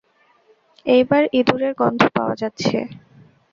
এইবার ইঁদুরের গন্ধ পাওয়া যাচ্ছে।